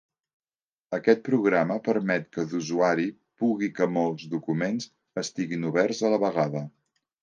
Aquest programa permet que d'usuari pugui que molts documents estiguin oberts a la vegada.